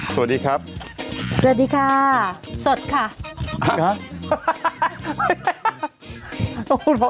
สวัสดีครับเชิญดีค่ะสดค่ะฮะ